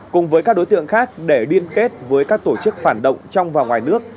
cùng với các đối tượng khác để liên kết với các tổ chức phản động trong và ngoài nước